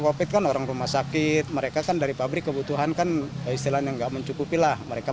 popit kan orang rumah sakit mereka kan dari pabrik kebutuhan kan istilahnya nggak mencukupilah mereka